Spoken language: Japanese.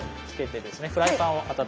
フライパンを温めます。